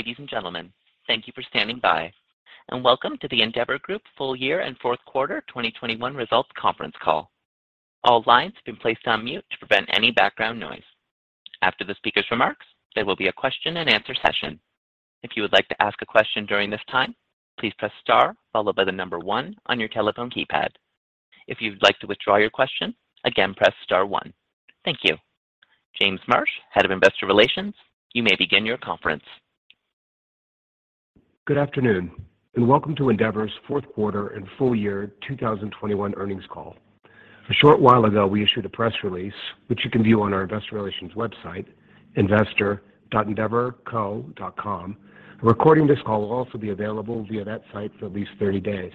Ladies and gentlemen, thank you for standing by, and welcome to the Endeavor Group full year and fourth quarter 2021 results conference call. All lines have been placed on mute to prevent any background noise. After the speaker's remarks, there will be a question and answer session. If you would like to ask a question during this time, please press star followed by the number one on your telephone keypad. If you'd like to withdraw your question, again, press star one. Thank you. James Marsh, Head of Investor Relations, you may begin your conference. Good afternoon, and welcome to Endeavor's fourth quarter and full year 2021 earnings call. A short while ago, we issued a press release, which you can view on our investor relations website, investor.endeavorco.com. A recording of this call will also be available via that site for at least 30 days.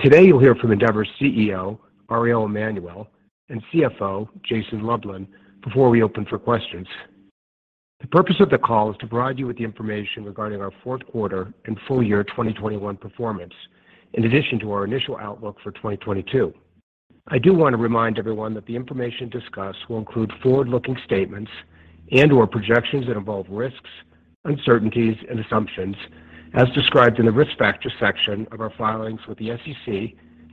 Today, you'll hear from Endeavor's CEO, Ari Emanuel, and CFO, Jason Lublin, before we open for questions. The purpose of the call is to provide you with the information regarding our fourth quarter and full year 2021 performance, in addition to our initial outlook for 2022. I do want to remind everyone that the information discussed will include forward-looking statements and/or projections that involve risks, uncertainties, and assumptions as described in the risk factors section of our filings with the SEC,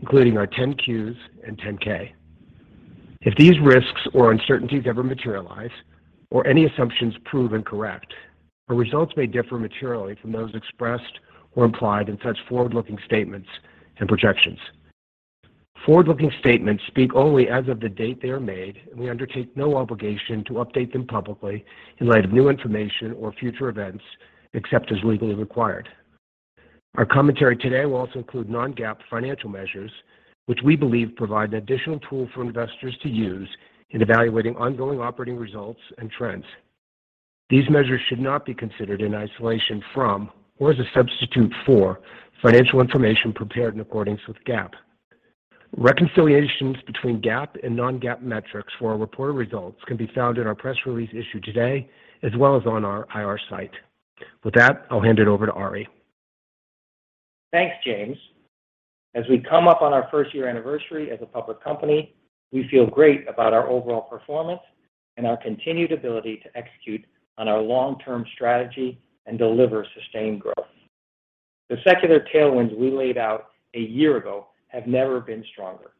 including our 10-Qs and 10-K. If these risks or uncertainties ever materialize or any assumptions prove incorrect, our results may differ materially from those expressed or implied in such forward-looking statements and projections. Forward-looking statements speak only as of the date they are made, and we undertake no obligation to update them publicly in light of new information or future events, except as legally required. Our commentary today will also include non-GAAP financial measures, which we believe provide an additional tool for investors to use in evaluating ongoing operating results, and trends. These measures should not be considered in isolation from or as a substitute for financial information prepared in accordance with GAAP. Reconciliations between GAAP and non-GAAP metrics for our reported results can be found in our press release issued today, as well as on our IR site. With that, I'll hand it over to Ari. Thanks, James. As we come up on our first year anniversary as a public company, we feel great about our overall performance and our continued ability to execute on our long-term strategy and deliver sustained growth. The secular tailwinds we laid out a year ago have never been stronger.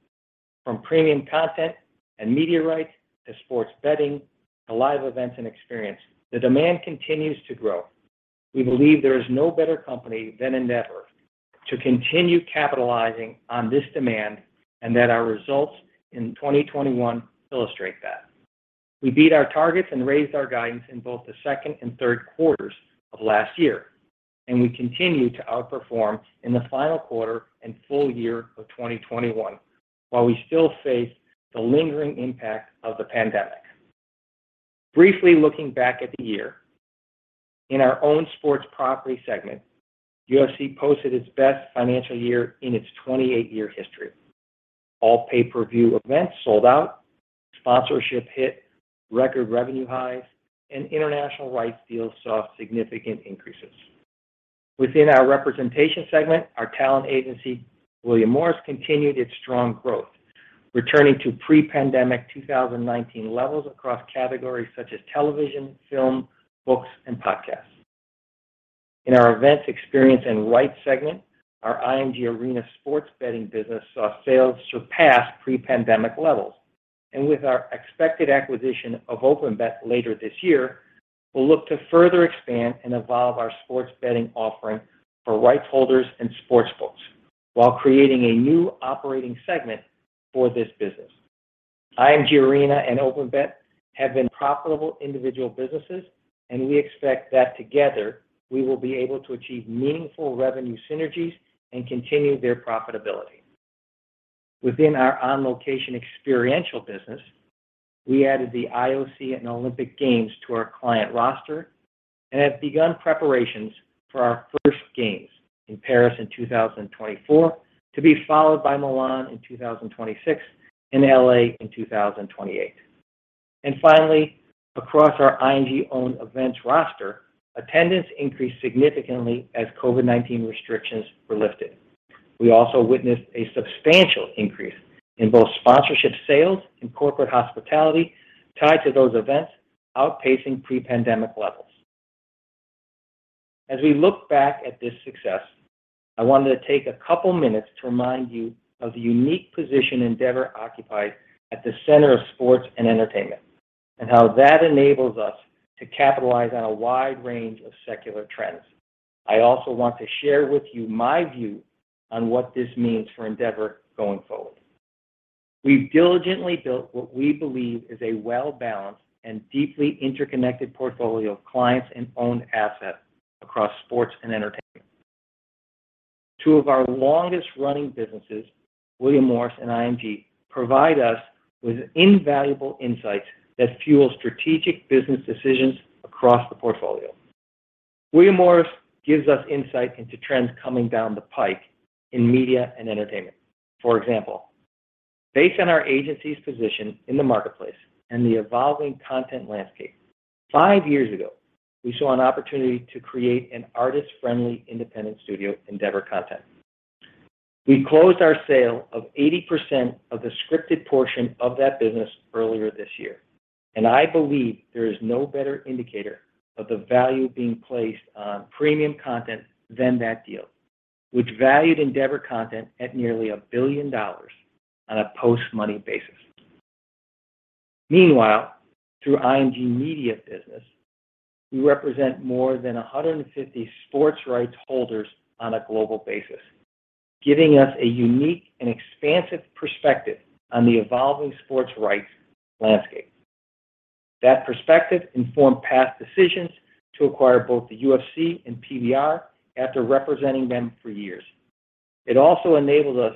From premium content and media rights to sports betting to live events and experience, the demand continues to grow. We believe there is no better company than Endeavor to continue capitalizing on this demand and that our results in 2021 illustrate that. We beat our targets and raised our guidance in both the second and third quarters of last year, and we continue to outperform in the final quarter and full year of 2021 while we still face the lingering impact of the pandemic. Briefly looking back at the year, in our own Sports Property segment, UFC posted its best financial year in its 28-year history. All pay-per-view events sold out, sponsorship hit record revenue highs, and international rights deals saw significant increases. Within our Representation segment, our talent agency, William Morris, continued its strong growth, returning to pre-pandemic 2019 levels across categories such as television, film, books, and podcasts. In our Events, Experience, and Rights segment, our IMG Arena sports betting business saw sales surpass pre-pandemic levels. With our expected acquisition of OpenBet later this year, we'll look to further expand and evolve our sports betting offering for rights holders and sportsbooks while creating a new operating segment for this business. IMG Arena and OpenBet have been profitable individual businesses, and we expect that together we will be able to achieve meaningful revenue synergies and continue their profitability. Within our On Location experiential business, we added the IOC and Olympic Games to our client roster and have begun preparations for our first games in Paris in 2024 to be followed by Milan in 2026 and L.A. in 2028. Finally, across our IMG-owned events roster, attendance increased significantly as COVID-19 restrictions were lifted. We also witnessed a substantial increase in both sponsorship sales and corporate hospitality tied to those events outpacing pre-pandemic levels. As we look back at this success, I wanted to take a couple minutes to remind you of the unique position Endeavor occupies at the center of sports and entertainment and how that enables us to capitalize on a wide range of secular trends. I also want to share with you my view on what this means for Endeavor going forward. We've diligently built what we believe is a well-balanced and deeply interconnected portfolio of clients and owned assets across sports and entertainment. Two of our longest-running businesses, William Morris and IMG, provide us with invaluable insights that fuel strategic business decisions across the portfolio. William Morris gives us insight into trends coming down the pike in media and entertainment. For example, based on our agency's position in the marketplace and the evolving content landscape, five years ago, we saw an opportunity to create an artist-friendly independent studio, Endeavor Content. We closed our sale of 80% of the scripted portion of that business earlier this year, and I believe there is no better indicator of the value being placed on premium content than that deal, which valued Endeavor Content at nearly $1 billion on a post-money basis. Meanwhile, through IMG media business, we represent more than 150 sports rights holders on a global basis, giving us a unique and expansive perspective on the evolving sports rights landscape. That perspective informed past decisions to acquire both the UFC and PBR after representing them for years. It also enabled us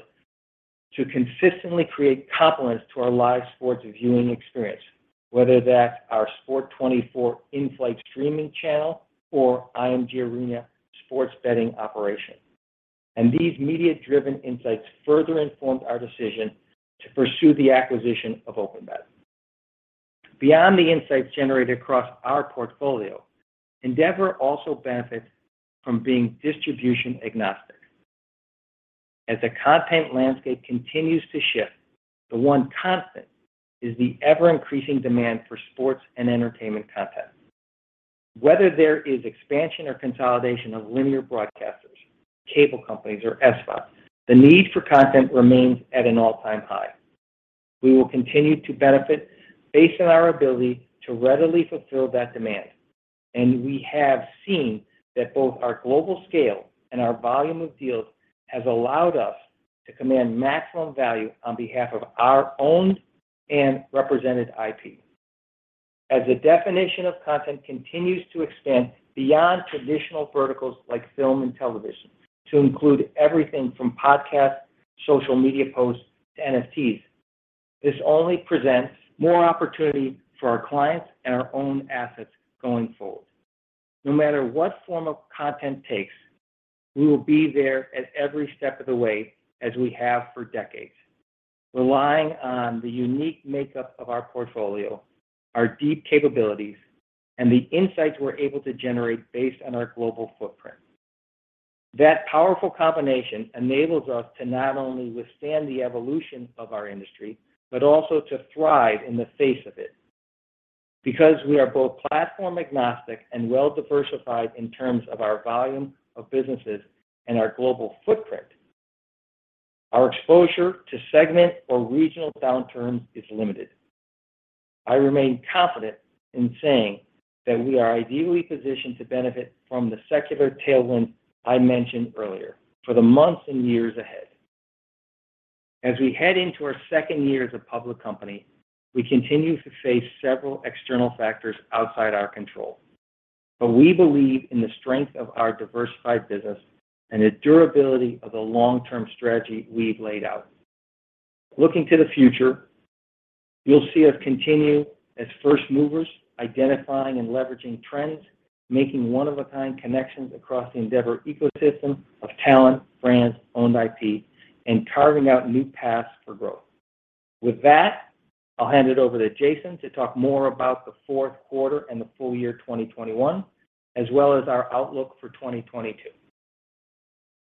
to consistently create complements to our live sports viewing experience, whether that's our Sport 24 in-flight streaming channel or IMG Arena sports betting operation. These media-driven insights further informed our decision to pursue the acquisition of OpenBet. Beyond the insights generated across our portfolio, Endeavor also benefits from being distribution agnostic. As the content landscape continues to shift, the one constant is the ever-increasing demand for sports and entertainment content. Whether there is expansion or consolidation of linear broadcasters, cable companies, or SVODs, the need for content remains at an all-time high. We will continue to benefit based on our ability to readily fulfill that demand, and we have seen that both our global scale and our volume of deals has allowed us to command maximum value on behalf of our owned and represented IP. As the definition of content continues to extend beyond traditional verticals like film and television to include everything from podcasts, social media posts, to NFTs, this only presents more opportunity for our clients and our own assets going forward. No matter what form of content takes, we will be there at every step of the way as we have for decades, relying on the unique makeup of our portfolio, our deep capabilities, and the insights we're able to generate based on our global footprint. That powerful combination enables us to not only withstand the evolution of our industry, but also to thrive in the face of it. Because we are both platform agnostic and well-diversified in terms of our volume of businesses and our global footprint, our exposure to segment or regional downturns is limited. I remain confident in saying that we are ideally positioned to benefit from the secular tailwind I mentioned earlier for the months and years ahead. As we head into our second year as a public company, we continue to face several external factors outside our control. We believe in the strength of our diversified business and the durability of the long-term strategy we've laid out. Looking to the future, you'll see us continue as first movers, identifying and leveraging trends, making one-of-a-kind connections across the Endeavor ecosystem of talent, brands, owned IP, and carving out new paths for growth. With that, I'll hand it over to Jason to talk more about the fourth quarter and the full year 2021, as well as our outlook for 2022.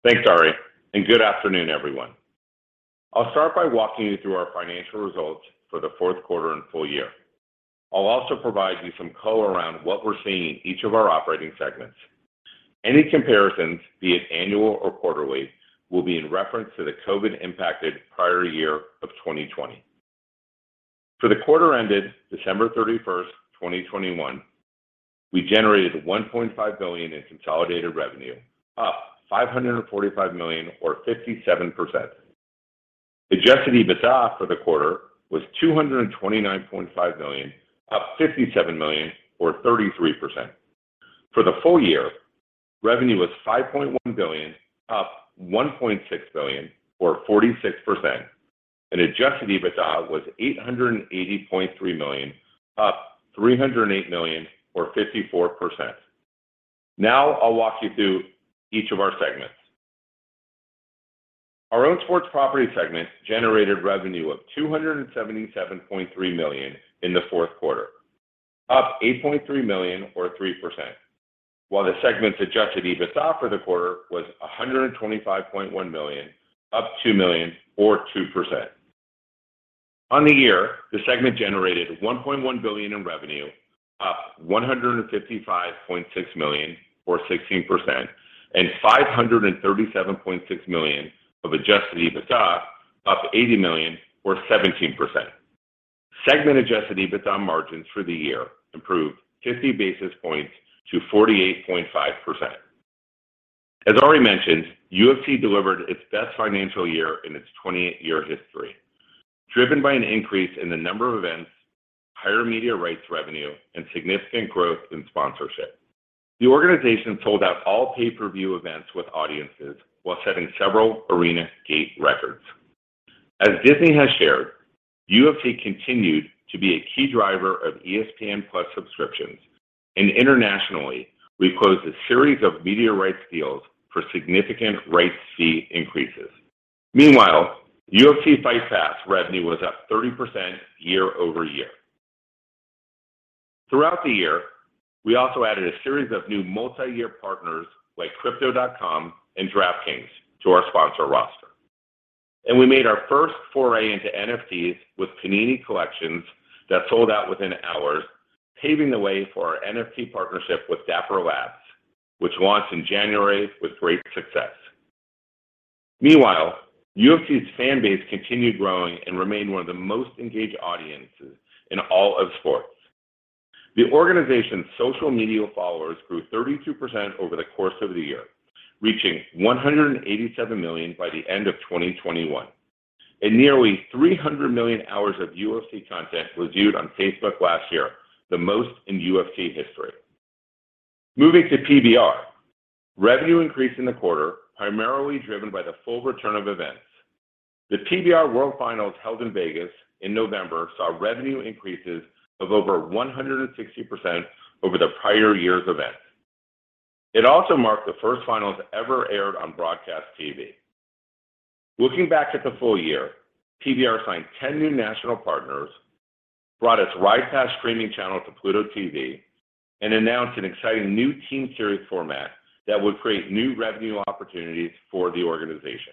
Thanks, Ari, and good afternoon, everyone. I'll start by walking you through our financial results for the fourth quarter and full year. I'll also provide you some color around what we're seeing in each of our operating segments. Any comparisons, be it annual or quarterly, will be in reference to the COVID-impacted prior year of 2020. For the quarter ended December 31st, 2021, we generated $1.5 billion in consolidated revenue, up $545 million or 57%. Adjusted EBITDA for the quarter was $229.5 million, up $57 million or 33%. For the full year, revenue was $5.1 billion, up $1.6 billion or 46%, and adjusted EBITDA was $880.3 million, up $308 million or 54%. Now I'll walk you through each of our segments. Our Owned Sports Properties segment generated revenue of $277.3 million in the fourth quarter, up $8.3 million or 3%, while the segment's Adjusted EBITDA for the quarter was $125.1 million, up $2 million or 2%. On the year, the segment generated $1.1 billion in revenue, up $155.6 million or 16%, and $537.6 million of Adjusted EBITDA, up $80 million or 17%. Segment Adjusted EBITDA margins for the year improved 50 basis points to 48.5%. As Ari mentioned, UFC delivered its best financial year in its 28-year history, driven by an increase in the number of events, higher media rights revenue, and significant growth in sponsorship. The organization sold out all pay-per-view events with audiences while setting several arena gate records. As Disney has shared, UFC continued to be a key driver of ESPN+ subscriptions, and internationally, we closed a series of media rights deals for significant rights fee increases. Meanwhile, UFC Fight Pass revenue was up 30% year-over-year. Throughout the year, we also added a series of new multi-year partners like Crypto.com and DraftKings to our sponsor roster. We made our first foray into NFTs with Panini collections that sold out within hours, paving the way for our NFT partnership with Dapper Labs, which launched in January with great success. Meanwhile, UFC's fan base continued growing and remained one of the most engaged audiences in all of sports. The organization's social media followers grew 32% over the course of the year, reaching 187 million by the end of 2021, and nearly 300 million hours of UFC content was viewed on Facebook last year, the most in UFC history. Moving to PBR. Revenue increased in the quarter, primarily driven by the full return of events. The PBR World Finals held in Vegas in November saw revenue increases of over 160% over the prior year's event. It also marked the first finals ever aired on broadcast TV. Looking back at the full year, PBR signed 10 new national partners, brought its RidePass streaming channel to Pluto TV, and announced an exciting new team series format that would create new revenue opportunities for the organization.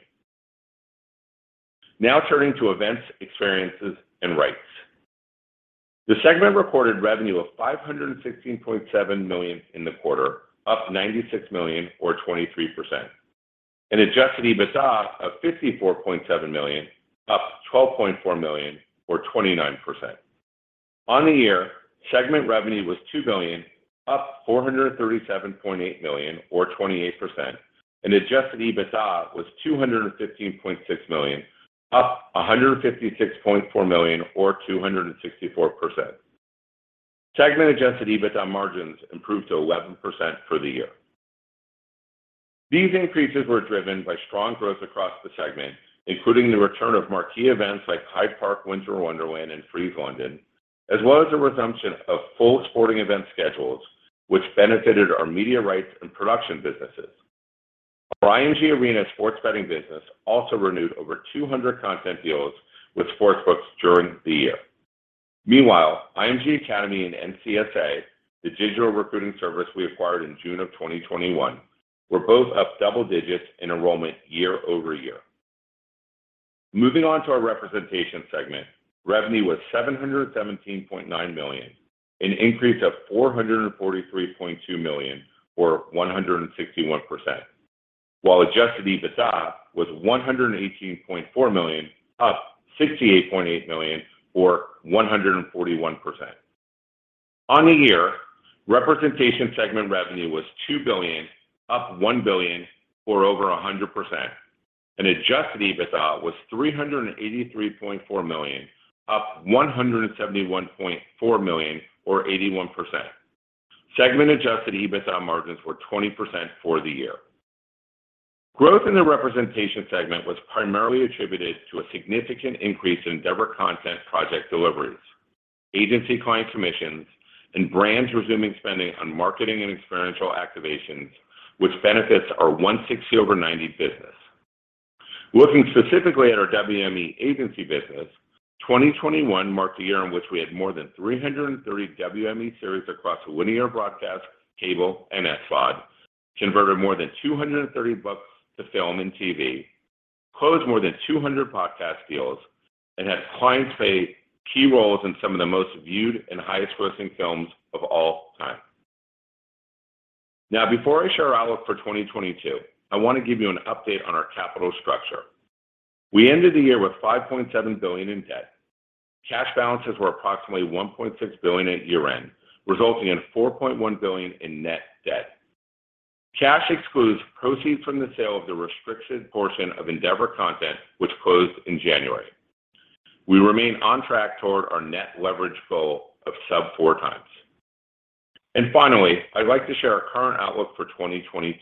Now turning to events, experiences, and rights. The segment recorded revenue of $516.7 million in the quarter, up $96 million or 23%, and Adjusted EBITDA of $54.7 million, up $12.4 million or 29%. On the year, segment revenue was $2 billion, up $437.8 million or 28%, and Adjusted EBITDA was $215.6 million, up $156.4 million or 264%. Segment Adjusted EBITDA margins improved to 11% for the year. These increases were driven by strong growth across the segment, including the return of marquee events like Hyde Park Winter Wonderland and Frieze London, as well as a resumption of full sporting event schedules, which benefited our media rights and production businesses. Our IMG Arena sports betting business also renewed over 200 content deals with sportsbooks during the year. Meanwhile, IMG Academy and NCSA, the digital recruiting service we acquired in June 2021, were both up double digits in enrollment year-over-year. Moving on to our Representation segment. Revenue was $717.9 million, an increase of $443.2 million or 161%, while Adjusted EBITDA was $118.4 million, up $68.8 million or 141%. On the year, Representation segment revenue was $2 billion, up $1 billion or over 100%, and Adjusted EBITDA was $383.4 million, up $171.4 million or 81%. Segment Adjusted EBITDA margins were 20% for the year. Growth in the representation segment was primarily attributed to a significant increase in Endeavor Content project deliveries, agency client commissions, and brands resuming spending on marketing and experiential activations, which benefits our 160over90 business. Looking specifically at our WME agency business, 2021 marked a year in which we had more than 330 WME series across linear broadcast, cable, and SVOD, converted more than 230 books to film and TV, closed more than 200 podcast deals, and had clients play key roles in some of the most viewed and highest grossing films of all time. Now, before I share our outlook for 2022, I want to give you an update on our capital structure. We ended the year with $5.7 billion in debt. Cash balances were approximately $1.6 billion at year-end, resulting in $4.1 billion in net debt. Cash excludes proceeds from the sale of the restricted portion of Endeavor Content, which closed in January. We remain on track toward our net leverage goal of sub-4x. Finally, I'd like to share our current outlook for 2022.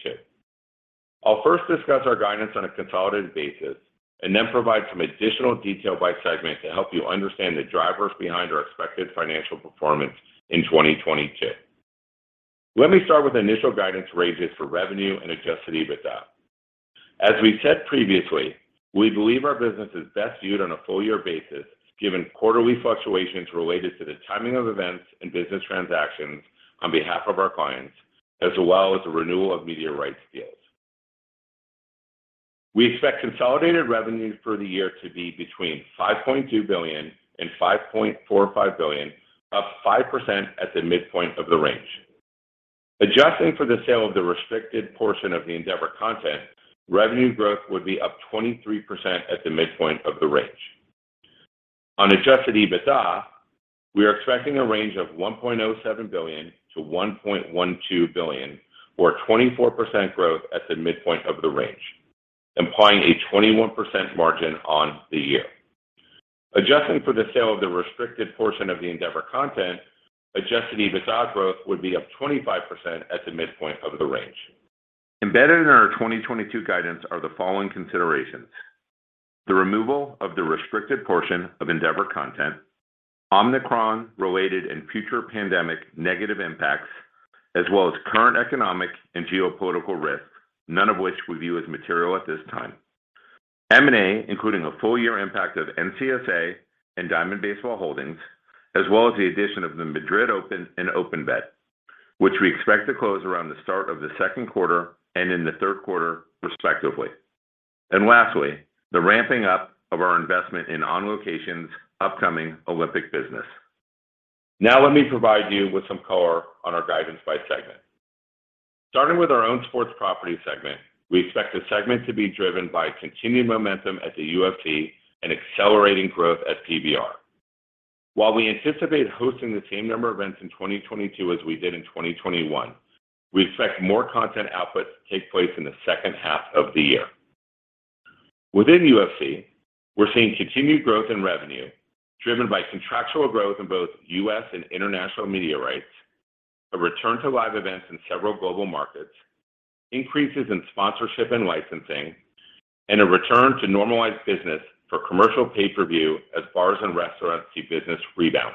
I'll first discuss our guidance on a consolidated basis and then provide some additional detail by segment to help you understand the drivers behind our expected financial performance in 2022. Let me start with initial guidance ranges for revenue and Adjusted EBITDA. We've said previously, we believe our business is best viewed on a full year basis, given quarterly fluctuations related to the timing of events and business transactions on behalf of our clients, as well as the renewal of media rights deals. We expect consolidated revenue for the year to be between $5.2 billion and $5.45 billion, up 5% at the midpoint of the range. Adjusting for the sale of the restricted portion of the Endeavor Content, revenue growth would be up 23% at the midpoint of the range. On Adjusted EBITDA, we are expecting a range of $1.07 billion-$1.12 billion, or a 24% growth at the midpoint of the range, implying a 21% margin on the year. Adjusting for the sale of the restricted portion of the Endeavor Content, Adjusted EBITDA growth would be up 25% at the midpoint of the range. Embedded in our 2022 guidance are the following considerations. The removal of the restricted portion of Endeavor content, Omicron-related and future pandemic negative impacts, as well as current economic and geopolitical risks, none of which we view as material at this time. M&A, including a full year impact of NCSA and Diamond Baseball Holdings, as well as the addition of the Madrid Open and OpenBet, which we expect to close around the start of the second quarter and in the third quarter respectively. Lastly, the ramping up of our investment in On Location's upcoming Olympic business. Now let me provide you with some color on our guidance by segment. Starting with our own sports property segment, we expect the segment to be driven by continued momentum at the UFC and accelerating growth at PBR. While we anticipate hosting the same number of events in 2022 as we did in 2021, we expect more content outputs to take place in the second half of the year. Within UFC, we're seeing continued growth in revenue driven by contractual growth in both U.S. and international media rights, a return to live events in several global markets, increases in sponsorship and licensing, and a return to normalized business for commercial pay-per-view as bars and restaurants see business rebound.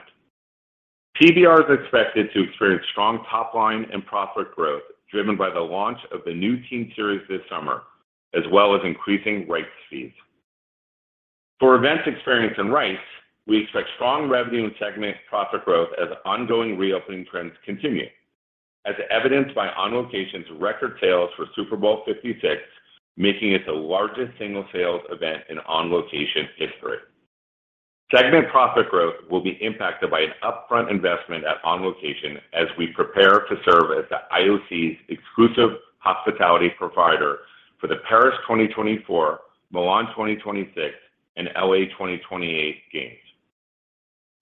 PBR is expected to experience strong top line and profit growth driven by the launch of the new team series this summer, as well as increasing rights fees. For events experience and rights, we expect strong revenue and segment profit growth as ongoing reopening trends continue. As evidenced by On Location's record sales for Super Bowl 56, making it the largest single sales event in On Location history. Segment profit growth will be impacted by an upfront investment at On Location as we prepare to serve as the IOC's exclusive hospitality provider for the Paris 2024, Milan 2026, and L.A. 2028 games.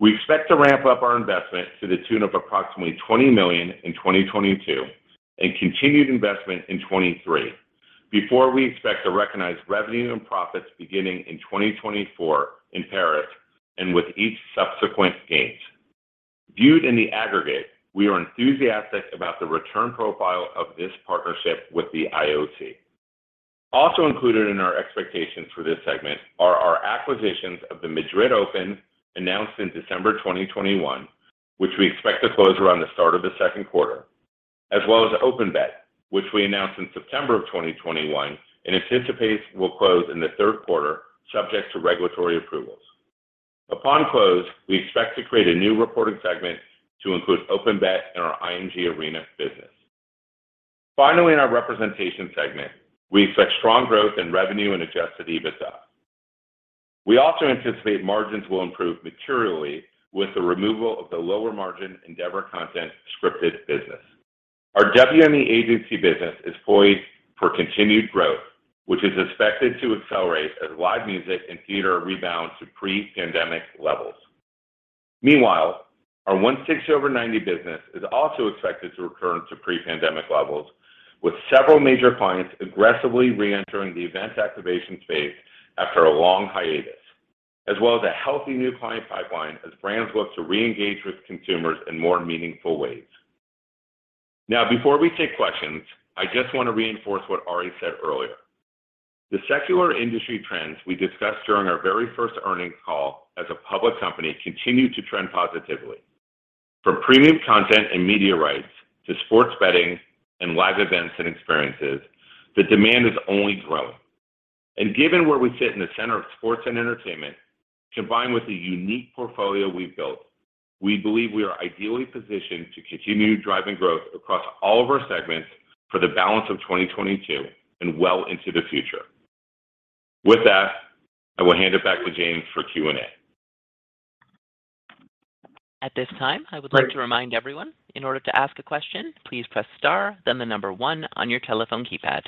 We expect to ramp up our investment to the tune of approximately $20 million in 2022 and continued investment in 2023 before we expect to recognize revenue and profits beginning in 2024 in Paris and with each subsequent games. Viewed in the aggregate, we are enthusiastic about the return profile of this partnership with the IOC. Also included in our expectations for this segment are our acquisitions of the Madrid Open announced in December 2021, which we expect to close around the start of the second quarter, as well as OpenBet, which we announced in September 2021 and anticipate will close in the third quarter subject to regulatory approvals. Upon close, we expect to create a new reporting segment to include OpenBet in our IMG Arena business. Finally, in our representation segment, we expect strong growth in revenue and Adjusted EBITDA. We also anticipate margins will improve materially with the removal of the lower margin Endeavor Content scripted business. Our WME agency business is poised for continued growth, which is expected to accelerate as live music and theater rebound to pre-pandemic levels. Meanwhile, our 160over90 business is also expected to return to pre-pandemic levels with several major clients aggressively reentering the event activation space after a long hiatus, as well as a healthy new client pipeline as brands look to reengage with consumers in more meaningful ways. Now, before we take questions, I just want to reinforce what Ari said earlier. The secular industry trends we discussed during our very first earnings call as a public company continue to trend positively. From premium content and media rights to sports betting and live events and experiences, the demand is only growing. Given where we sit in the center of sports and entertainment, combined with the unique portfolio we've built, we believe we are ideally positioned to continue driving growth across all of our segments for the balance of 2022 and well into the future. With that, I will hand it back to James for Q&A. At this time, I would like to remind everyone, in order to ask a question, please press star, then the number one on your telephone keypad.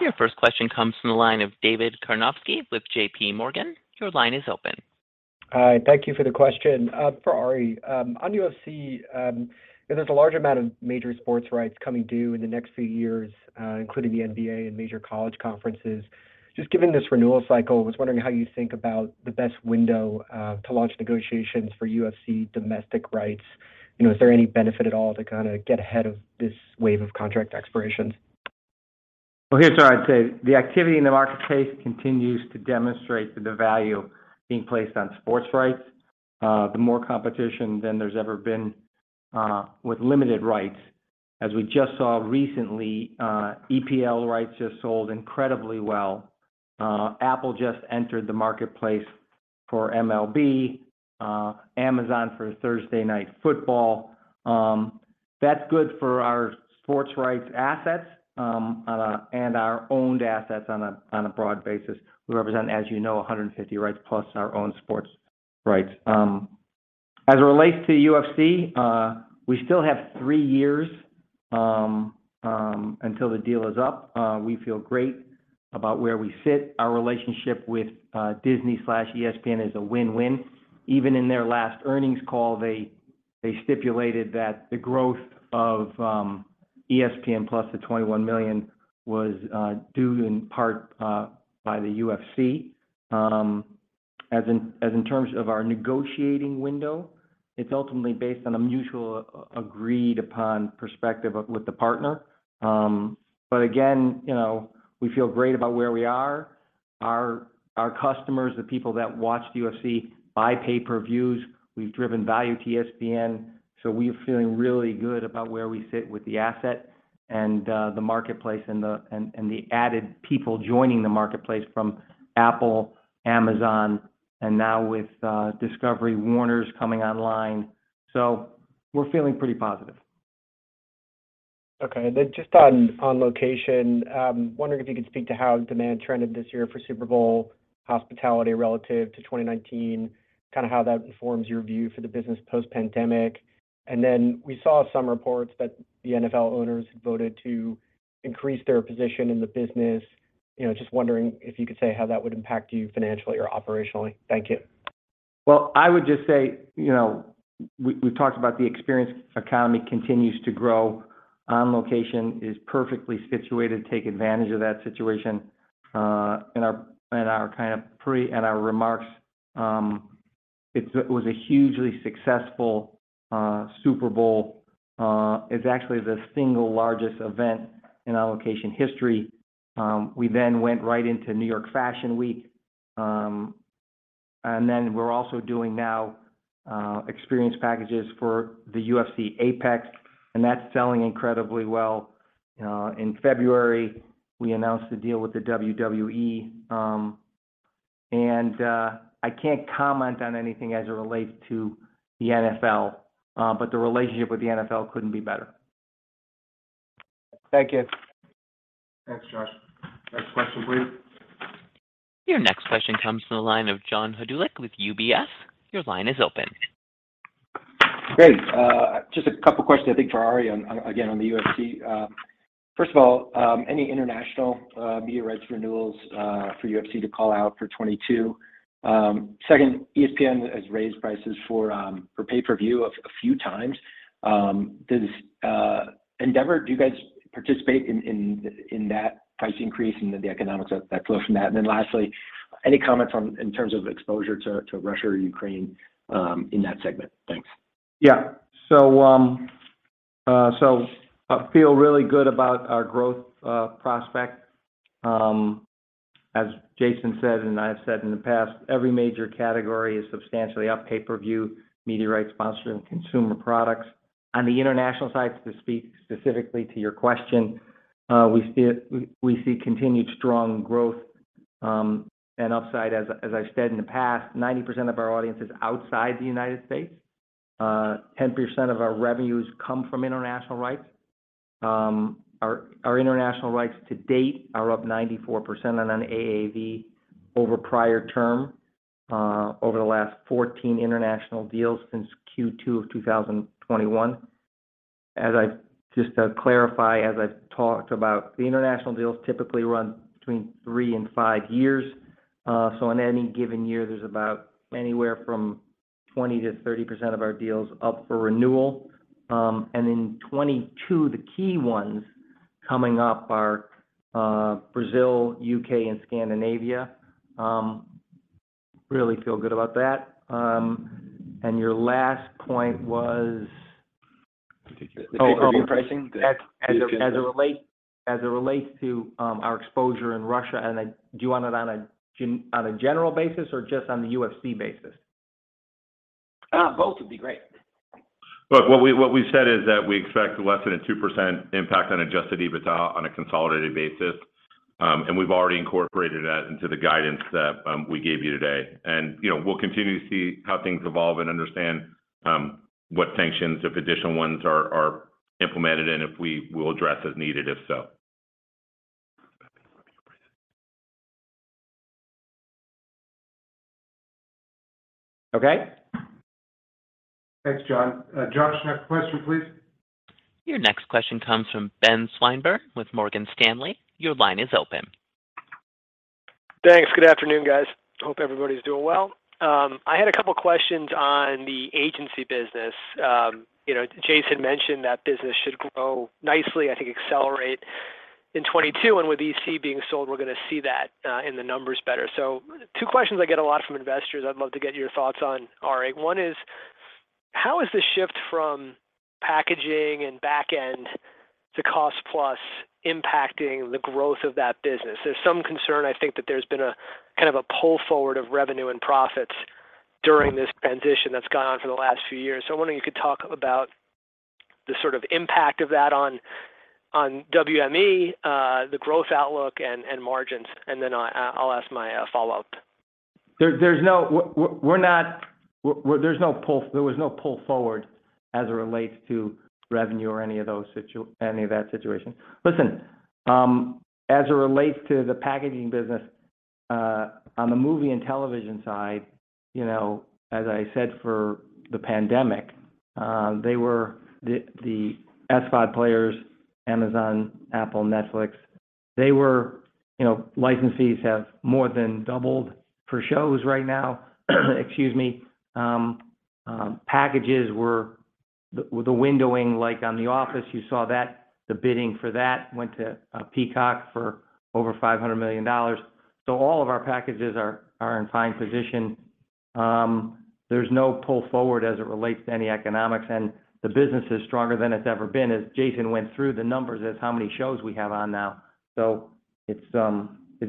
Your first question comes from the line of David Karnovsky with JPMorgan. Your line is open. Hi, thank you for the question. For Ari, on UFC, there's a large amount of major sports rights coming due in the next few years, including the NBA and major college conferences. Just given this renewal cycle, I was wondering how you think about the best window to launch negotiations for UFC domestic rights. You know, is there any benefit at all to kinda get ahead of this wave of contract expirations? Well, here's what I'd say. The activity in the marketplace continues to demonstrate the value being placed on sports rights, the more competition than there's ever been, with limited rights. As we just saw recently, EPL rights just sold incredibly well. Apple just entered the marketplace for MLB, Amazon for Thursday Night Football. That's good for our sports rights assets, and our owned assets on a broad basis. We represent, as you know, 150 rights plus in our own sports rights. As it relates to UFC, we still have three years until the deal is up. We feel great about where we sit. Our relationship with Disney/ESPN is a win-win. Even in their last earnings call, they stipulated that the growth of ESPN+ the $21 million was due in part to the UFC. As in terms of our negotiating window, it's ultimately based on a mutual agreed-upon perspective with the partner. But again, you know, we feel great about where we are. Our customers, the people that watch the UFC buy pay-per-views. We've driven value to ESPN, so we're feeling really good about where we sit with the asset and the marketplace and the added people joining the marketplace from Apple, Amazon, and now with Discovery, Warner's coming online. We're feeling pretty positive. Okay. Then just on On Location, wondering if you could speak to how demand trended this year for Super Bowl hospitality relative to 2019, kind of how that informs your view for the business post-pandemic. We saw some reports that the NFL owners voted to increase their position in the business. You know, just wondering if you could say how that would impact you financially or operationally. Thank you. Well, I would just say, you know, we've talked about the experience economy continues to grow. On Location is perfectly situated to take advantage of that situation in our prepared remarks. It was a hugely successful Super Bowl. It's actually the single largest event in our On Location history. We then went right into New York Fashion Week, and then we're also doing now experience packages for the UFC Apex, and that's selling incredibly well. In February, we announced the deal with the WWE, and I can't comment on anything as it relates to the NFL, but the relationship with the NFL couldn't be better. Thank you. Thanks, Josh. Next question, please. Your next question comes from the line of John Hodulik with UBS. Your line is open. Great. Just a couple questions I think for Ari on the UFC. First of all, any international media rights renewals for UFC to call out for 2022? Second, ESPN has raised prices for pay-per-view a few times. Does Endeavor, do you guys participate in that price increase and the economics that flow from that? Lastly, any comments in terms of exposure to Russia or Ukraine in that segment? Thanks. Yeah. I feel really good about our growth prospect. As Jason said, and I've said in the past, every major category is substantially up pay-per-view, media rights, sponsoring, consumer products. On the international side, to speak specifically to your question, we see continued strong growth and upside. As I've said in the past, 90% of our audience is outside the United States. 10% of our revenues come from international rights. Our international rights to date are up 94% on an AAV over prior term, over the last 14 international deals since Q2 of 2021. Just to clarify, as I've talked about, the international deals typically run between three and five years. In any given year, there's about anywhere from 20%-30% of our deals up for renewal. In 2022, the key ones coming up are Brazil, U.K., and Scandinavia. I really feel good about that. Your last point was? The pay-per-view pricing. As it relates to our exposure in Russia, do you want it on a general basis or just on the UFC basis? Both would be great. Look, what we said is that we expect less than 2% impact on Adjusted EBITDA on a consolidated basis. We've already incorporated that into the guidance that we gave you today. You know, we'll continue to see how things evolve and understand what sanctions, if additional ones are implemented and if we will address as needed, if so. Okay. Thanks, John. Josh, next question, please. Your next question comes from Benjamin Swinburne with Morgan Stanley. Your line is open. Thanks. Good afternoon, guys. Hope everybody's doing well. I had a couple questions on the agency business. You know, Jason mentioned that business should grow nicely, I think accelerate in 2022, and with EC being sold, we're gonna see that in the numbers better. Two questions I get a lot from investors I'd love to get your thoughts on, Ari. One is, how is the shift from packaging and back end to cost plus impacting the growth of that business? There's some concern, I think, that there's been kind of a pull forward of revenue and profits during this transition that's gone on for the last few years. I'm wondering if you could talk about the sort of impact of that on WME, the growth outlook and margins, and then I'll ask my follow-up. There was no pull forward as it relates to revenue or any of that situation. Listen, as it relates to the packaging business, on the movie and television side, you know, as I said for the pandemic, they were the SVOD players, Amazon, Apple, Netflix, they were, you know, licensees have more than doubled for shows right now. Excuse me. Packages were the windowing, like on The Office, you saw that. The bidding for that went to Peacock for over $500 million. So all of our packages are in fine position. There's no pull forward as it relates to any economics, and the business is stronger than it's ever been. As Jason went through the numbers on how many shows we have on now.It's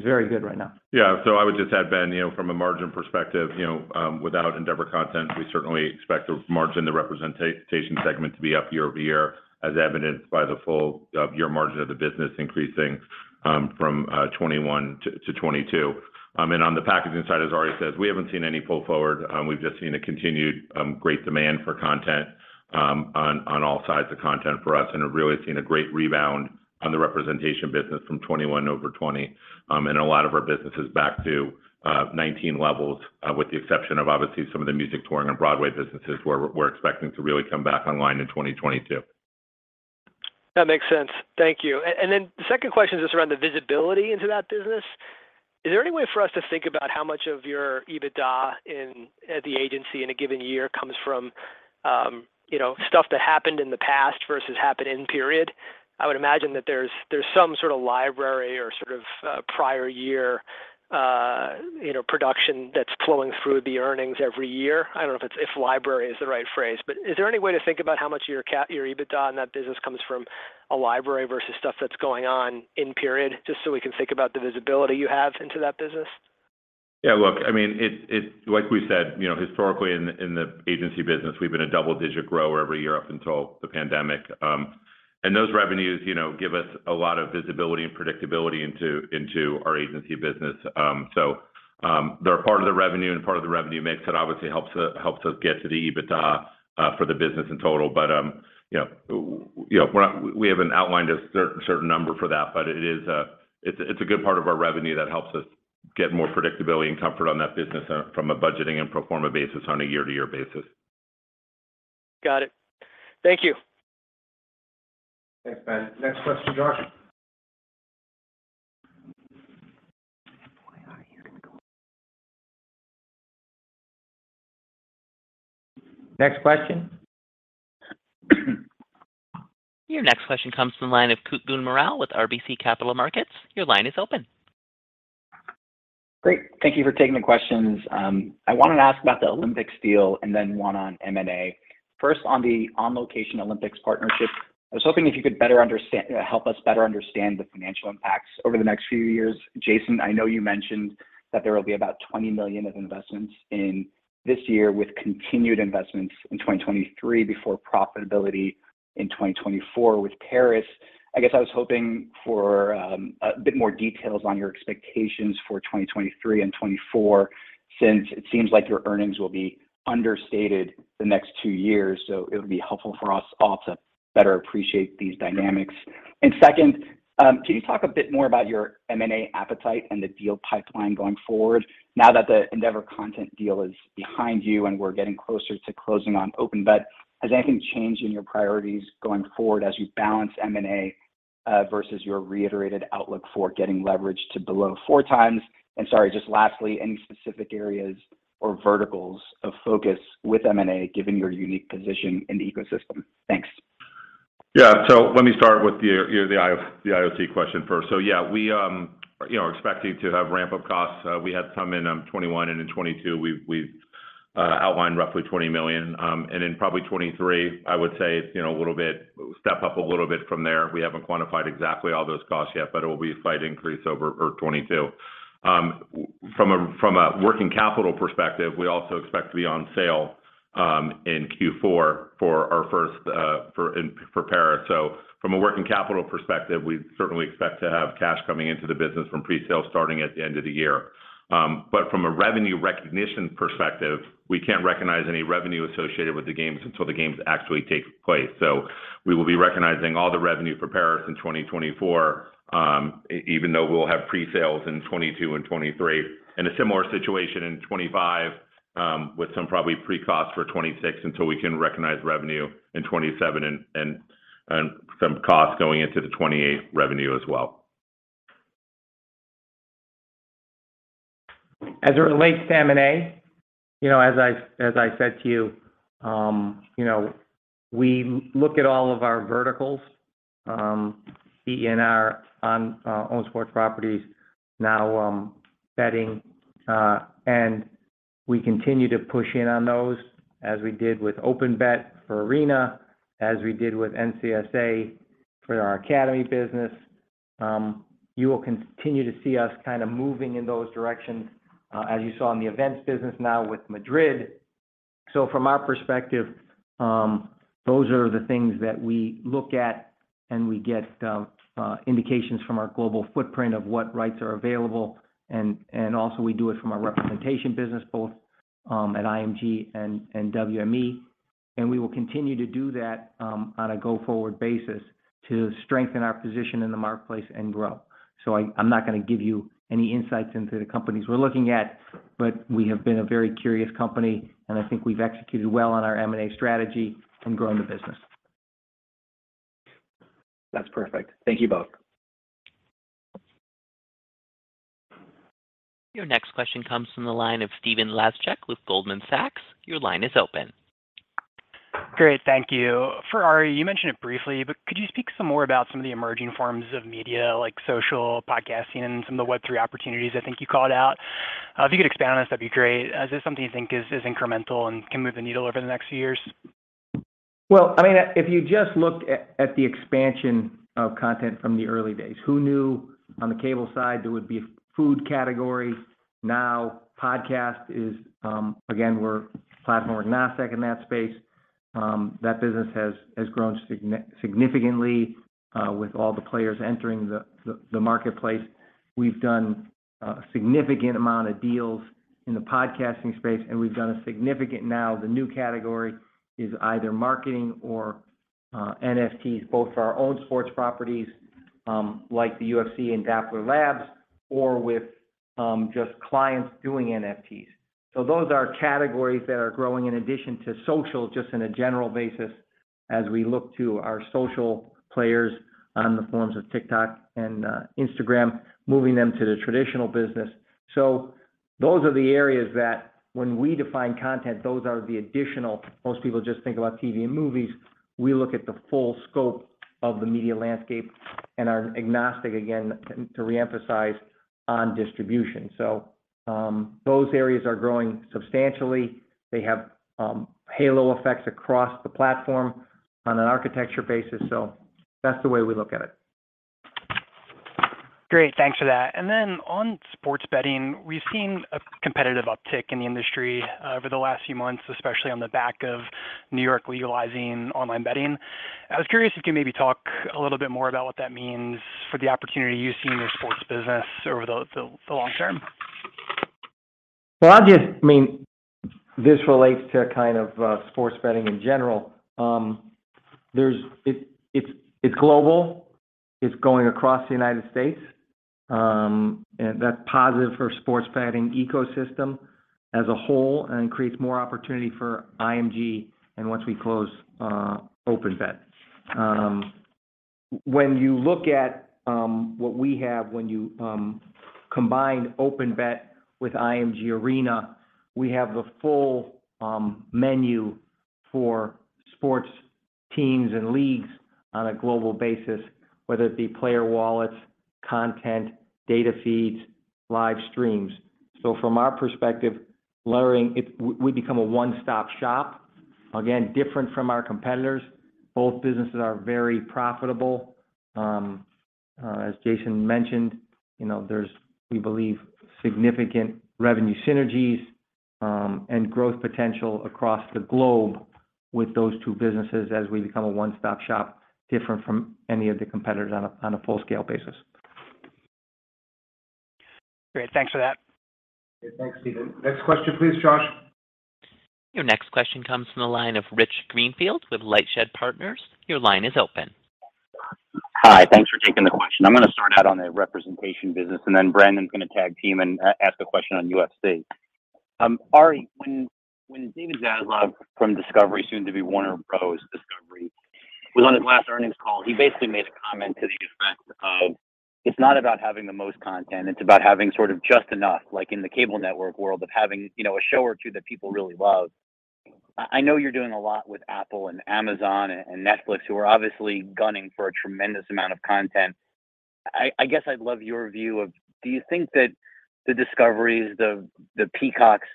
very good right now. Yeah. I would just add, Ben, you know, from a margin perspective, you know, without Fifth Season, we certainly expect the margin, the representation segment to be up year over year, as evidenced by the full year margin of the business increasing from 2021 to 2022. I mean, on the packaging side, as Ari says, we haven't seen any pull forward. We've just seen a continued great demand for content on all sides of content for us, and have really seen a great rebound on the representation business from 2021 over 2020. A lot of our business is back to 2019 levels with the exception of obviously some of the music touring and Broadway businesses. We're expecting to really come back online in 2022. That makes sense. Thank you. The second question is just around the visibility into that business. Is there any way for us to think about how much of your EBITDA at the agency in a given year comes from, you know, stuff that happened in the past versus happened in period? I would imagine that there's some sort of library or sort of prior year, you know, production that's flowing through the earnings every year. I don't know if library is the right phrase, but is there any way to think about how much of your your EBITDA in that business comes from a library versus stuff that's going on in period, just so we can think about the visibility you have into that business? Yeah, look, I mean, it like we said, you know, historically in the agency business, we've been a double-digit grower every year up until the pandemic. Those revenues, you know, give us a lot of visibility and predictability into our agency business. They're a part of the revenue and part of the revenue mix that obviously helps us get to the EBITDA for the business in total. You know, we haven't outlined a certain number for that, but it is, it's a good part of our revenue that helps us get more predictability and comfort on that business from a budgeting and pro forma basis on a year-to-year basis. Got it. Thank you. Thanks, Ben. Next question, Josh. Next question. Your next question comes from the line of Kutgun Maral with RBC Capital Markets. Your line is open. Great. Thank you for taking the questions. I wanted to ask about the Olympics deal and then one on M&A. First on the On Location Olympics partnership, I was hoping if you could help us better understand the financial impacts over the next few years. Jason, I know you mentioned that there will be about $20 million of investments in this year with continued investments in 2023 before profitability in 2024 with Paris. I guess I was hoping for a bit more details on your expectations for 2023 and 2024, since it seems like your earnings will be understated the next two years. It would be helpful for us all to better appreciate these dynamics. Second, can you talk a bit more about your M&A appetite and the deal pipeline going forward now that the Fifth Season deal is behind you and we're getting closer to closing on OpenBet? Has anything changed in your priorities going forward as you balance M&A versus your reiterated outlook for getting leverage to below four times? Sorry, just lastly, any specific areas or verticals of focus with M&A, given your unique position in the ecosystem? Thanks. Let me start with the IOC question first. We are expecting to have ramp-up costs. We had some in 2021, and in 2022, we've outlined roughly $20 million. And in probably 2023, I would say a little bit step up a little bit from there. We haven't quantified exactly all those costs yet, but it will be a slight increase over 2022. From a working capital perspective, we also expect to be on sale in Q4 for our first for Paris. From a working capital perspective, we certainly expect to have cash coming into the business from presale starting at the end of the year. From a revenue recognition perspective, we can't recognize any revenue associated with the games until the games actually take place. We will be recognizing all the revenue for Paris in 2024, even though we'll have presales in 2022 and 2023. A similar situation in 2025, with some probably pre-cost for 2026 until we can recognize revenue in 2027 and some costs going into the 2028 revenue as well. As it relates to M&A, you know, as I said to you know, we look at all of our verticals, be it in our owned sports properties, now, betting, and we continue to push in on those as we did with OpenBet for Arena, as we did with NCSA for our academy business. You will continue to see us kinda moving in those directions, as you saw in the events business now with Madrid. From our perspective, those are the things that we look at and we get indications from our global footprint of what rights are available. Also we do it from our representation business, both at IMG and WME.We will continue to do that on a go-forward basis to strengthen our position in the marketplace and grow. I'm not gonna give you any insights into the companies we're looking at, but we have been a very curious company, and I think we've executed well on our M&A strategy in growing the business. That's perfect. Thank you both. Your next question comes from the line of Stephen Laszcz with Goldman Sachs. Your line is open. Great. Thank you. For Ari, you mentioned it briefly, but could you speak some more about some of the emerging forms of media like social podcasting and some of the Web3 opportunities I think you called out? If you could expand on this, that'd be great. Is this something you think is incremental and can move the needle over the next few years? Well, I mean, if you just looked at the expansion of content from the early days, who knew on the cable side there would be food category. Now podcast is, again, we're platform agnostic in that space. That business has grown significantly with all the players entering the marketplace. We've done a significant amount of deals in the podcasting space, and we've done a significant now the new category is either marketing or NFTs, both for our own sports properties like the UFC and Dapper Labs or with just clients doing NFTs. Those are categories that are growing in addition to social, just on a general basis as we look to our social players on the platforms of TikTok and Instagram, moving them to the traditional business. Those are the areas that when we define content, those are the additional. Most people just think about TV and movies. We look at the full scope of the media landscape and are agnostic, again, to re-emphasize on distribution. Those areas are growing substantially. They have halo effects across the platform on an architecture basis, so that's the way we look at it. Great. Thanks for that. On sports betting, we've seen a competitive uptick in the industry over the last few months, especially on the back of New York legalizing online betting. I was curious if you could maybe talk a little bit more about what that means for the opportunity you see in your sports business over the long term. I mean, this relates to kind of sports betting in general. It's global. It's going across the United States, and that's positive for sports betting ecosystem as a whole and creates more opportunity for IMG and once we close, OpenBet. When you look at what we have when you combine OpenBet with IMG Arena, we have the full menu for sports teams and leagues on a global basis, whether it be player wallets, content, data feeds, live streams. From our perspective, layering it, we become a one-stop shop. Again, different from our competitors. Both businesses are very profitable. As Jason mentioned, you know, there's, we believe, significant revenue synergies, and growth potential across the globe with those two businesses as we become a one-stop shop, different from any of the competitors on a full scale basis. Great. Thanks for that. Thanks, Stephen. Next question, please, Josh. Your next question comes from the line of Rich Greenfield with LightShed Partners. Your line is open. Hi. Thanks for taking the question. I'm gonna start out on the representation business, and then Brandon's gonna tag team and ask a question on UFC. Ari, when David Zaslav from Discovery, soon to be Warner Bros. Discovery, was on his last earnings call, he basically made a comment to the effect of, it's not about having the most content, it's about having sort of just enough, like in the cable network world of having, you know, a show or two that people really love. I know you're doing a lot with Apple and Amazon and Netflix, who are obviously gunning for a tremendous amount of content.I guess I'd love your view of do you think that the Discovery's, the Peacock's,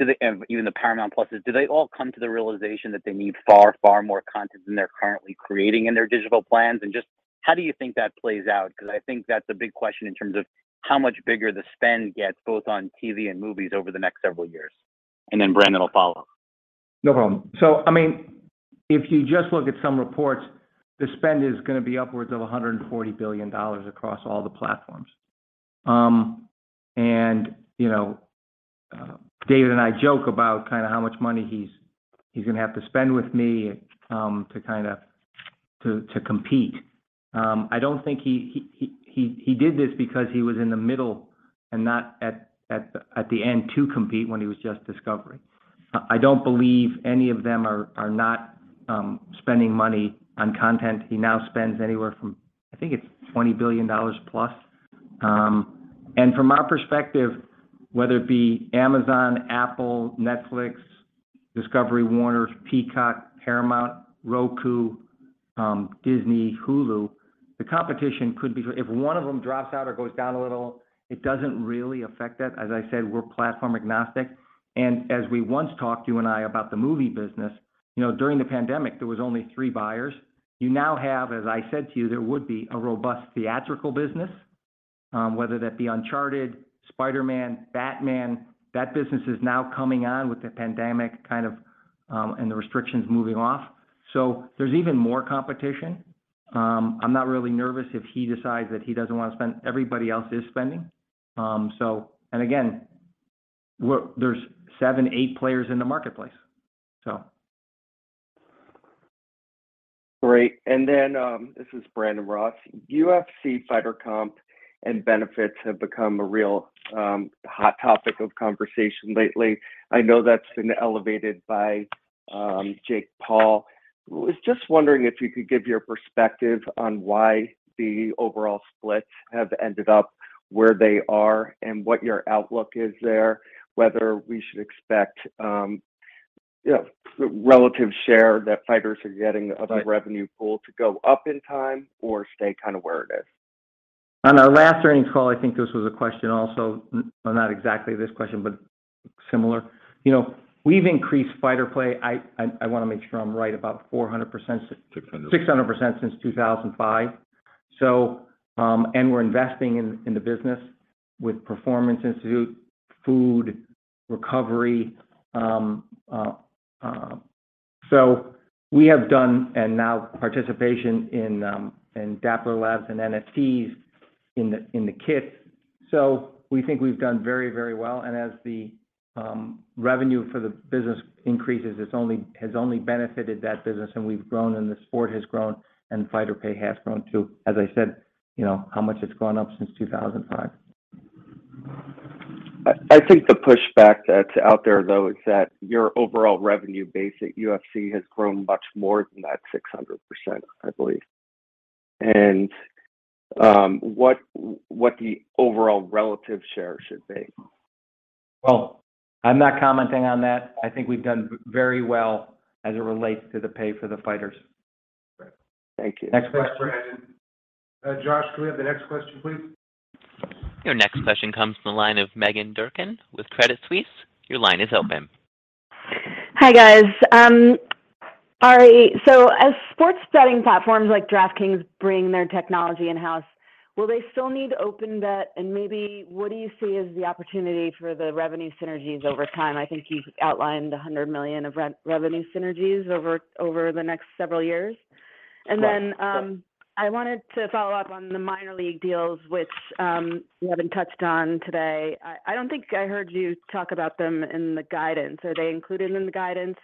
even the Paramount+'s, do they all come to the realization that they need far, far more content than they're currently creating in their digital plans? Just how do you think that plays out? 'Cause I think that's a big question in terms of how much bigger the spend gets, both on TV and movies over the next several years. Brandon will follow. No problem. I mean, if you just look at some reports, the spend is gonna be upwards of $140 billion across all the platforms. You know, David and I joke about kind of how much money he's gonna have to spend with me to kind of compete. I don't think he did this because he was in the middle and not at the end to compete when he was just Discovery. I don't believe any of them are not spending money on content. He now spends anywhere from, I think it's $20 billion plus. From our perspective, whether it be Amazon, Apple, Netflix, Discovery, Warner, Peacock, Paramount, Roku, Disney, Hulu, the competition could be if one of them drops out or goes down a little, it doesn't really affect that. As I said, we're platform agnostic. As we once talked, you and I, about the movie business, you know, during the pandemic, there was only three buyers. You now have, as I said to you, there would be a robust theatrical business, whether that be Uncharted, Spider-Man, Batman. That business is now coming on with the pandemic kind of and the restrictions moving off. There's even more competition. I'm not really nervous if he decides that he doesn't wanna spend. Everybody else is spending. Again, there's seven, eight players in the marketplace, so. Great. This is Brandon Ross. UFC fighter comp and benefits have become a real hot topic of conversation lately. I know that's been elevated by Jake Paul. Was just wondering if you could give your perspective on why the overall splits have ended up where they are and what your outlook is there, whether we should expect? Yeah, the relative share that fighters are getting. Right Of the revenue pool to go up in time or stay kind of where it is? On our last earnings call, I think this was a question also. Not exactly this question, but similar. You know, we've increased fighter pay. I wanna make sure I'm right, about 400%. 600% 600% since 2005. We're investing in the business with Performance Institute, food, recovery. We have done and now participation in Dapper Labs and NFTs in the kit. We think we've done very, very well, and as the revenue for the business increases, it has only benefited that business, and we've grown, and the sport has grown, and fighter pay has grown, too. As I said, you know, how much it's gone up since 2005. I think the pushback that's out there, though, is that your overall revenue base at UFC has grown much more than that 600%, I believe. What the overall relative share should be? Well, I'm not commenting on that. I think we've done very well as it relates to the pay for the fighters. Great. Thank you. Next question. Thanks, Brandon. Josh, can we have the next question, please? Your next question comes from the line of Meghan Durkin with Credit Suisse. Your line is open. Hi, guys. Ari, as sports betting platforms like DraftKings bring their technology in-house, will they still need OpenBet? Maybe what do you see as the opportunity for the revenue synergies over time? I think you've outlined $100 million of revenue synergies over the next several years.I wanted to follow up on the Minor League deals, which you haven't touched on today. I don't think I heard you talk about them in the guidance. Are they included in the guidance?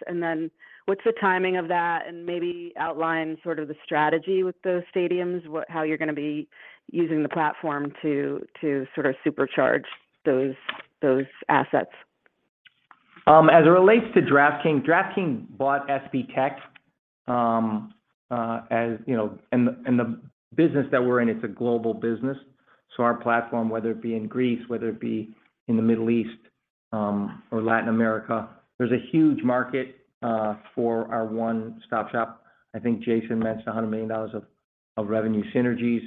What's the timing of that? Maybe outline sort of the strategy with those stadiums, how you're gonna be using the platform to sort of supercharge those assets. As it relates to DraftKings bought SBTech, as you know. The business that we're in, it's a global business, so our platform, whether it be in Greece, whether it be in the Middle East, or Latin America, there's a huge market for our one-stop shop. I think Jason mentioned $100 million of revenue synergies.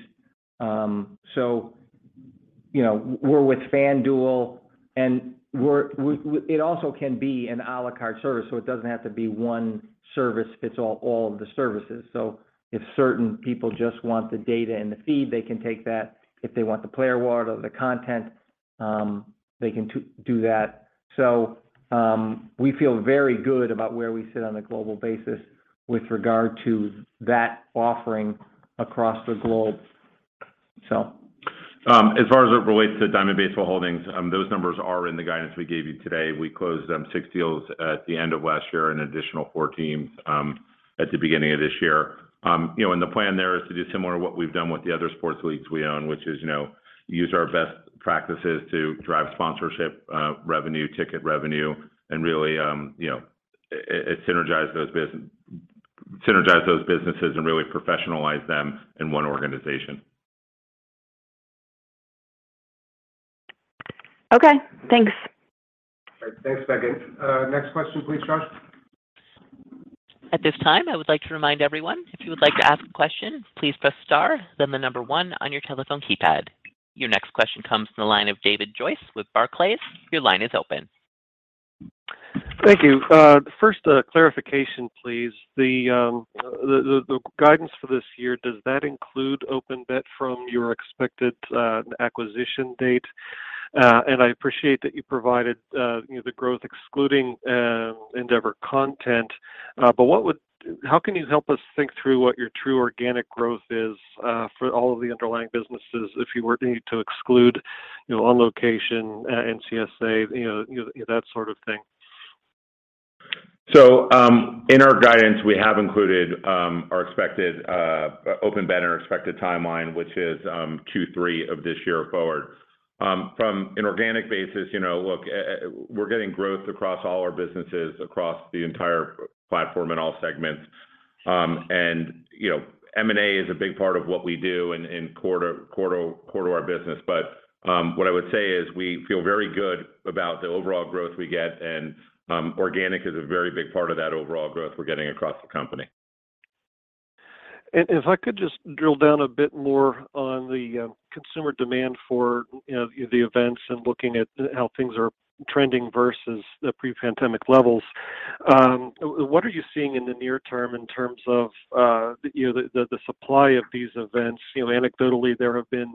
You know, we're with FanDuel and we're. It also can be an à la carte service, so it doesn't have to be one service fits all of the services. If certain people just want the data and the feed, they can take that. If they want the player wallet or the content, they can do that. We feel very good about where we sit on a global basis with regard to that offering across the globe, so. As far as it relates to Diamond Baseball Holdings, those numbers are in the guidance we gave you today. We closed six deals at the end of last year, an additional four teams at the beginning of this year. You know, and the plan there is to do similar to what we've done with the other sports leagues we own, which is, you know, use our best practices to drive sponsorship revenue, ticket revenue, and really, you know, synergize those businesses and really professionalize them in one organization. Okay, thanks. All right. Thanks, Meghan. Next question, please, Josh. At this time, I would like to remind everyone, if you would like to ask a question, please press star then the number one on your telephone keypad. Your next question comes from the line of David Joyce with Barclays. Your line is open. Thank you. First, a clarification, please. The guidance for this year, does that include OpenBet from your expected acquisition date? And I appreciate that you provided, you know, the growth excluding Endeavour content. How can you help us think through what your true organic growth is for all of the underlying businesses if you were to need to exclude, you know, On Location, NCSA, you know, that sort of thing? In our guidance, we have included our expected OpenBet and our expected timeline, which is Q3 of this year forward. From an organic basis, you know, look, we're getting growth across all our businesses, across the entire platform in all segments. You know, M&A is a big part of what we do and core to our business. What I would say is we feel very good about the overall growth we get. Organic is a very big part of that overall growth we're getting across the company. If I could just drill down a bit more on the consumer demand for the events and looking at how things are trending versus the pre-pandemic levels. What are you seeing in the near term in terms of the supply of these events? You know, anecdotally, there have been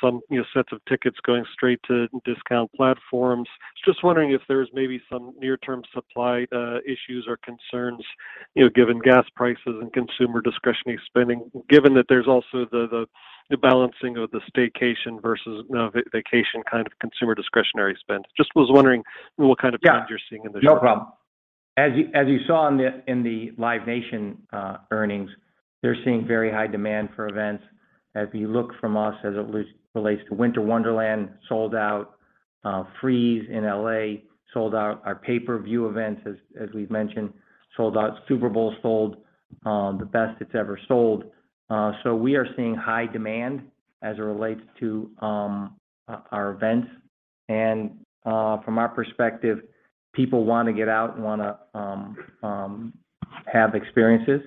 some sets of tickets going straight to discount platforms. Just wondering if there's maybe some near-term supply issues or concerns, you know, given gas prices and consumer discretionary spending, given that there's also the balancing of the staycation versus vacation kind of consumer discretionary spend. Just was wondering what kind of trends Yeah You're seeing in the short term. No problem. As you saw in the Live Nation earnings, they're seeing very high demand for events. As we look from us, as it relates to Winter Wonderland, sold out. Frieze in L.A. sold out. Our pay-per-view events, as we've mentioned, sold out. Super Bowl sold the best it's ever sold. We are seeing high demand as it relates to our events. From our perspective, people wanna get out and wanna have experiences.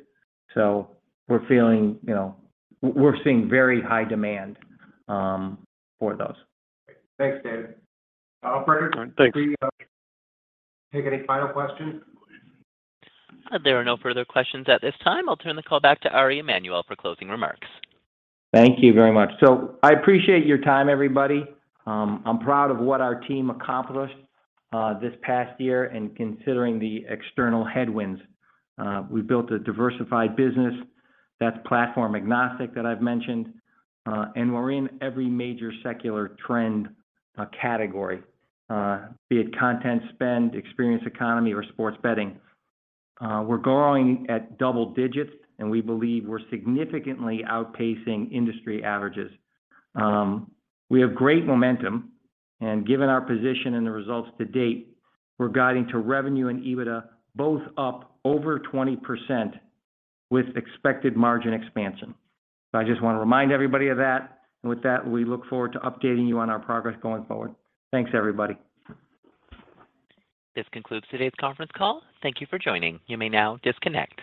We're feeling, you know, we're seeing very high demand for those. Thanks, David. Operator. All right. Thanks Do we have any final questions? There are no further questions at this time. I'll turn the call back to Ari Emanuel for closing remarks. Thank you very much. I appreciate your time, everybody. I'm proud of what our team accomplished this past year and considering the external headwinds. We built a diversified business that's platform agnostic that I've mentioned. We're in every major secular trend category, be it content spend, experience economy, or sports betting. We're growing at double digits, and we believe we're significantly outpacing industry averages. We have great momentum, and given our position and the results to date, we're guiding to revenue and EBITDA both up over 20% with expected margin expansion. I just wanna remind everybody of that. With that, we look forward to updating you on our progress going forward. Thanks, everybody. This concludes today's conference call. Thank you for joining. You may now disconnect.